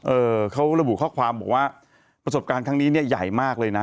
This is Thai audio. เออเขาระบุข้อความบอกว่าประสบการณ์ครั้งนี้เนี่ยใหญ่มากเลยนะ